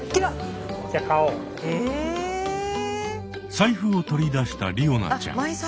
財布を取り出したりおなちゃん。